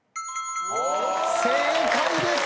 正解です！